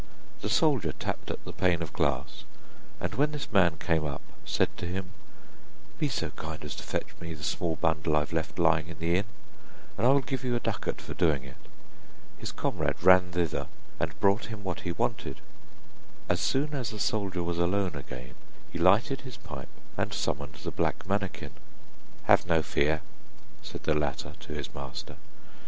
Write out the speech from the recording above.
The soldier tapped at the pane of glass, and when this man came up, said to him: 'Be so kind as to fetch me the small bundle I have left lying in the inn, and I will give you a ducat for doing it.' His comrade ran thither and brought him what he wanted. As soon as the soldier was alone again, he lighted his pipe and summoned the black manikin. 'Have no fear,' said the latter to his master.